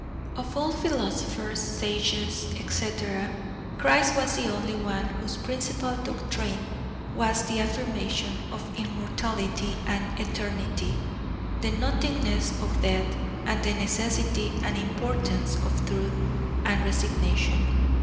Of all philosophers, sages, etc., Christ was the only one whose principal doctrine was the affirmation of immortality and eternity, the nothingness of death, and the necessity and importance of truth and resignation{N}.